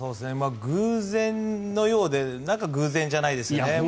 偶然のようで偶然じゃないですよね。